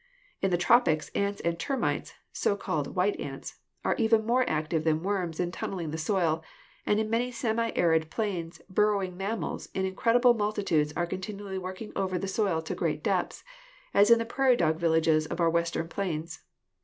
In the tropics ants and termites (so called white ants) are even more active than worms in tunnelling the soil, and in many semi arid plains burrowing mammals in incredible multitudes are continually working over the soil to great depths, as in the prairie dog villages of our Western plains.